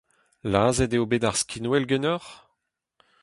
Lazhet eo bet ar skinwel ganeoc'h ?